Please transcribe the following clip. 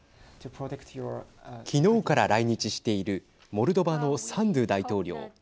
昨日から来日しているモルドバのサンドゥ大統領。